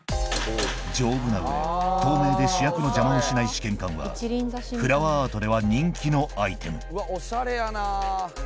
丈夫な上透明で主役の邪魔をしない試験管はフラワーアートでは人気のアイテムおしゃれやな。